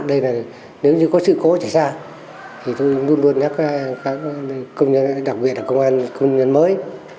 đây là nếu như có sự cố xảy ra thì tôi luôn luôn nhắc các công nhân đặc biệt là công an công nhân mới